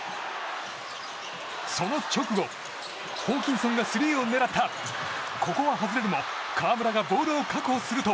その直後ホーキンソンがスリーを狙ったここは外れるも河村がボールを確保すると。